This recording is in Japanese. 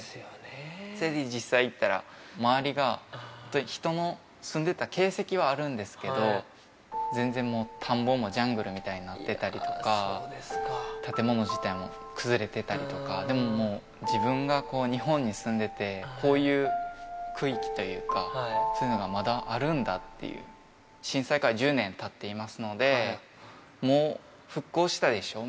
それで実際行ったら、周りが本当に人の住んでた形跡はあるんですけど、全然もう、田んぼもジャングルみたいになってたりとか、建物自体も崩れてたりとか、でももう自分が日本に住んでて、こういう区域というか、そういうのがまだあるんだっていう、震災から１０年たっていますので、もう復興したでしょう？